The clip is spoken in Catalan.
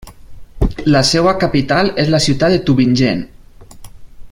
La seva capital és la ciutat de Tübingen.